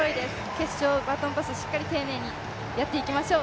決勝バトンパス、しっかり丁寧にやっていきましょう。